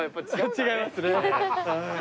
違いますね。